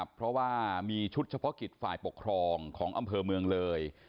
เพราะว่ามีชุดเฉพาะกิจฝ่ายปกครองของอำเภอเมืองเลย